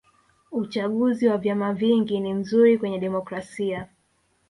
uchaguzi wa vyama vingi ni mzuri kwenye demokrasia